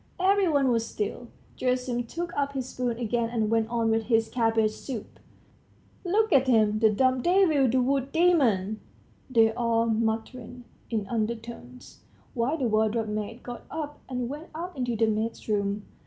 Every one was still. Gerasim took up his spoon again and went on with his cabbage soup. "Look at him, the dumb devil, the wood demon!" they all muttered in undertones, while the wardrobe maid got up and went out into the maid's room.